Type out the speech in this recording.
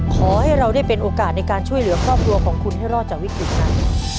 ขอให้เราได้เป็นโอกาสในการช่วยเหลือครอบครัวของคุณให้รอดจากวิกฤตนั้น